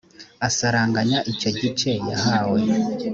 asaranganya icyo gice yahawe